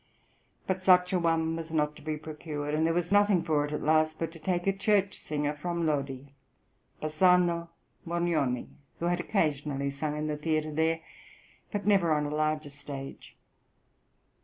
But such an one was not to be procured, and there was nothing for it at last but to take a church singer from Lodi, Bassano Morgnoni, who had occasionally sung in the theatre there, but never on a larger stage.